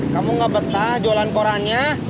kamu gak betah jualan korannya